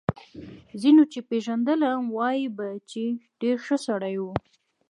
ځینو چې پېژندلم وايي به چې ډېر ښه سړی و